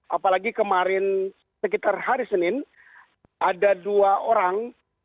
apalagi kemarin sekitar hari senin ada dua orang